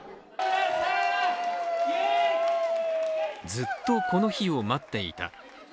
ずっとこの日を待っていた。